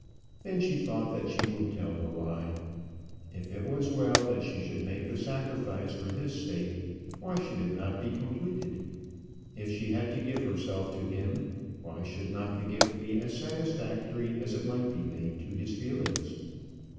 Then she thought that she would tell the lie. If it was well that she should make the sacrifice for his sake, why should it not be completed? If she had to give herself to him, why should not the gift be as satisfactory as it might be made to his feelings?